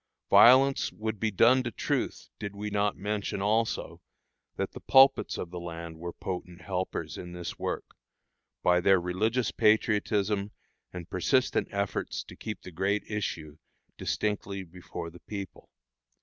Violence would be done to truth did we not mention, also, that the pulpits of the land were potent helpers in this work, by their religious patriotism and persistent efforts to keep the great issue distinctly before the people.